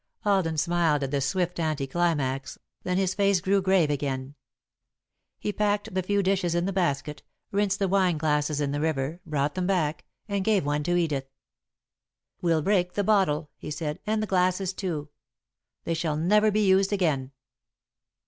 Alden smiled at the swift anti climax, then his face grew grave again. He packed the few dishes in the basket, rinsed the wine glasses in the river, brought them back, and gave one to Edith. "We'll break the bottle," he said, "and the glasses, too. They shall never be used again."